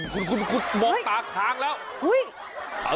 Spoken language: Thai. มองตาคางแล้ว